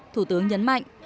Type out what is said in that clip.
thủ tướng nhấn mạnh